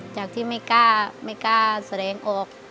จากที่ไม่กล้าไม่กล้าแสดงออก